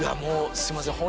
すいませんもう。